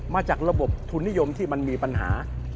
มาจากระบบทุนนิยมที่มันมีปัญหา